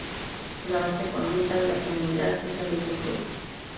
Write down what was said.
La base económica de la comunidad es la agricultura.